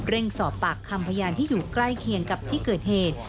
สอบปากคำพยานที่อยู่ใกล้เคียงกับที่เกิดเหตุ